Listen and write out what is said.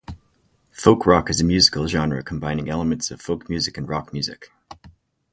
Folk rock is a musical genre combining elements of folk music and rock music.